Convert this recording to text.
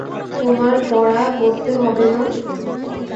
তোমার পড়া করতে হবে না?